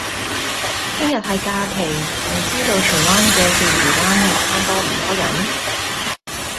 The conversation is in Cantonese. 聽日係假期，唔知道荃灣嘅釣魚灣泳灘多唔多人？